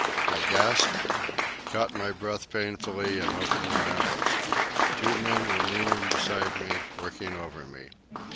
I gasped, caught my breath painfully, and opened my eyes. Two men were kneeling beside me, working over me.